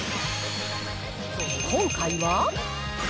今回は？